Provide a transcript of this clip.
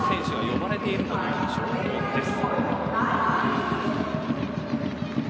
２人の選手が呼ばれているという状況です。